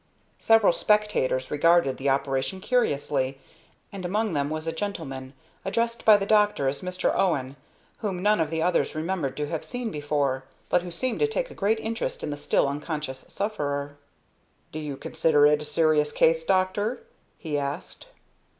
Several spectators regarded the operation curiously, and among them was a gentleman, addressed by the doctor as Mr. Owen, whom none of the others remembered to have seen before, but who seemed to take a great interest in the still unconscious sufferer. "Do you consider it a serious case, doctor?" he asked.